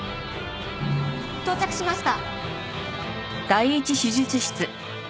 到着しました。